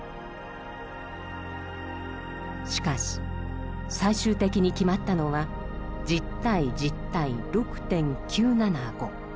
しかし最終的に決まったのは１０：１０：６．９７５。